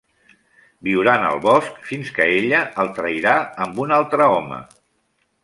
Viuran al bosc fins que ella el trairà amb un altre home.